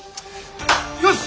よし！